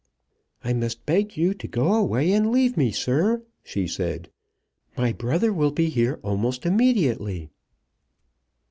"I must beg you to go away and leave me, sir," she said. "My brother will be here almost immediately."